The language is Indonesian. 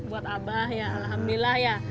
buat abah ya alhamdulillah ya